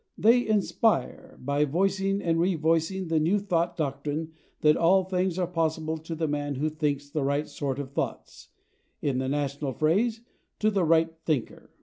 They "inspire" by voicing and revoicing the New Thought doctrine that all things are possible to the man who thinks the right sort of thoughts in the national phrase, to the /right thinker